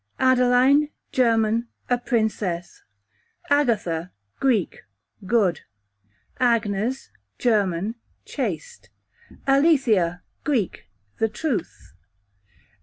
_ Adeline, German, a princess. Agatha, Greek, good. Agnes, German, chaste. Alethea, Greek, the truth.